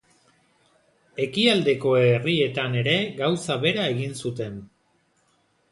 Ekialdeko herrietan ere gauza bera egin zuten.